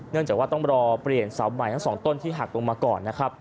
เนื่องจากว่าต้องรอเปลี่ยนเสาใหม่ทั้ง๒ต้นที่หักลงมาก่อน